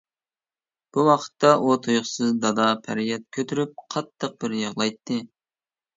بۇ ۋاقىتتا ئۇ تۇيۇقسىز داد-پەرياد كۆتۈرۈپ، قاتتىق بىر يىغلايتتى.